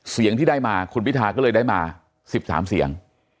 เสียงที่ได้มาคุณพิทาก็เลยได้มา๑๓เสียง